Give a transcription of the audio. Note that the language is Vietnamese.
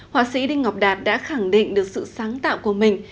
họa sĩ đinh ngọc đạt đã khẳng định được sự sáng tạo của mình